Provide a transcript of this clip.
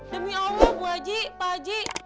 demi allah bu aji pak haji